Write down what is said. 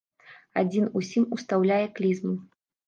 Адзін усім устаўляе клізму.